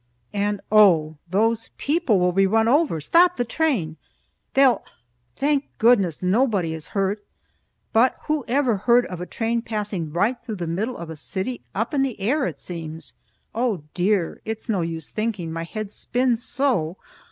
And oh! those people will be run over! Stop the train, they'll thank goodness, nobody is hurt. But who ever heard of a train passing right through the middle of a city, up in the air, it seems. Oh, dear! it's no use thinking, my head spins so.